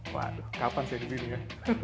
waduh kapan saya di sini ya